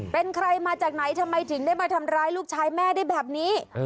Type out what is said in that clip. เป็นใครมาจากไหนทำไมถึงได้มาทำร้ายลูกชายแม่ได้แบบนี้